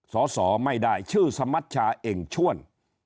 สอสอไม่ได้ชื่อสมัชชาเองชวน